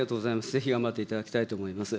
ぜひ頑張っていただきたいと思います。